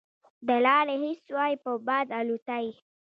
د لارې خس وای په باد الوتای